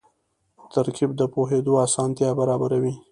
ترکیب د پوهېدو اسانتیا برابروي.